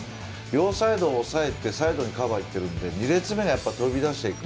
両サイドを抑えて、サイドにカバー行っているので２列目から飛び出していく。